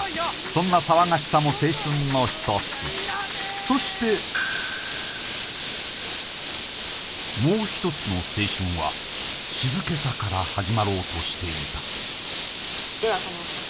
そんな騒がしさも青春の一つそしてもう一つの青春は静けさから始まろうとしていたでは叶さん